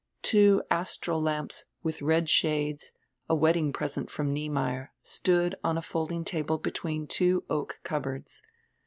Two astral lamps with red shades, a wedding present from Niemeyer, stood on a fold ing table between two oak cupboards.